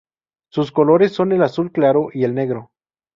Sus colores son el azul claro y el negro.